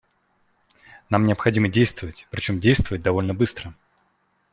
Нам необходимо действовать, причем действовать довольно быстро.